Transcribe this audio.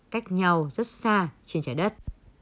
cách nhau rất xa trên trái đất